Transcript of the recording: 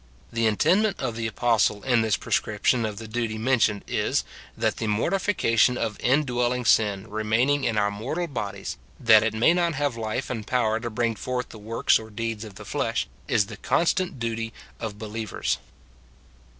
The intendment of the apos tle in this prescription of the duty mentioned is, — that the mortification of indwelling sin remaining in our mortal bodies, tliat it may not have life and power to hring forth the works or deeds of the flesh, is the constant duty of believers.